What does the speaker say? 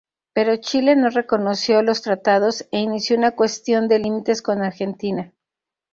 Pero Chile no reconoció los tratados e inició una cuestión de límites con Argentina.